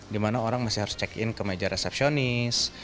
dimana orang masih harus check in ke meja resepsionis